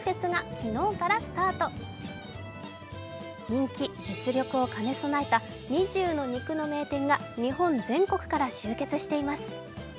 人気・実力を兼ね備えた２０の肉の名店が日本全国から集結しています。